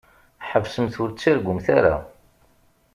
Ḥesbsemt ur ttargumt ara.